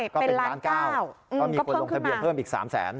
ก็เป็นล้าน๙ก็มีคนลงทะเบียนเพิ่มอีก๓แสน